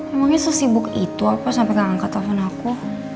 emangnya sesibuk itu apa sampai gak angkat telepon aku